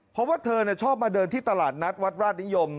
เพราะว่าเธอชอบมาเดินที่ตลาดนัดวัดราชนิยม